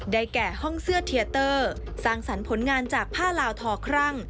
แก่ห้องเสื้อเทียเตอร์สร้างสรรค์ผลงานจากผ้าลาวทอครั่ง